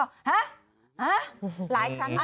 ฮะฮะหลายครั้งหน่อย